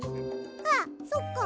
あっそっか。